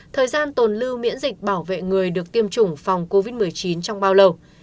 thời gian tồn lưu miễn dịch bảo vệ người được tiêm chủng phòng covid một mươi chín trong bao lâu